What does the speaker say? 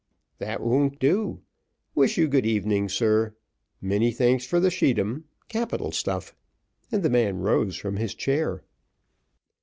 "That won't do. Wish you good evening, sir. Many thanks for the scheedam capital stuff!" and the man rose from his chair.